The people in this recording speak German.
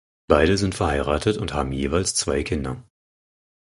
Beide sind verheiratet und haben jeweils zwei Kinder.